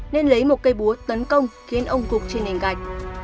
nên lấy một cây búa tấn công khiến ông cục trên nền gạch